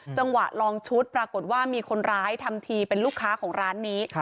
จังหวะลองชุดปรากฏว่ามีคนร้ายทำทีเป็นลูกค้าของร้านนี้